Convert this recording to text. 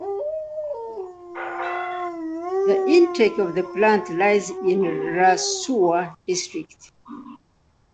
The intake of the plant lies in Rasuwa district.